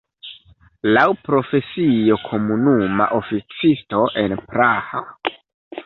Laŭ profesio komunuma oficisto en Praha.